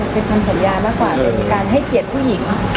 เป็นคำสัญญามากกว่าเป็นการให้เกียรติผู้หญิง